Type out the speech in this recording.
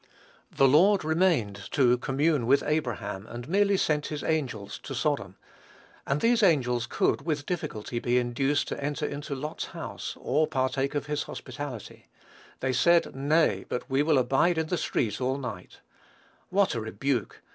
The Lord remained to commune with Abraham, and merely sent his angels to Sodom; and these angels could, with difficulty be induced to enter into Lot's house, or partake of his hospitality: "they said, Nay, but we will abide in the street all night." What a rebuke!